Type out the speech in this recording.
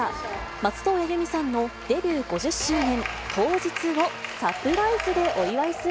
松任谷由実さんのデビュー５０周年当日をサプライズでお祝いする